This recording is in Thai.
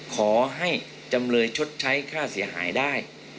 ขอให้จำเลยชดใช้ค่าเสียหายได้